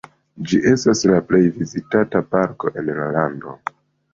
Ĝi estas la plej vizitata parko en la lando.